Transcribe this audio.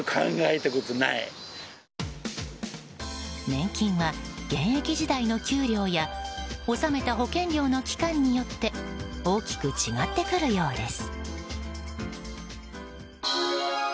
年金は、現役時代の給料や納めた保険料の期間によって大きく違ってくるようです。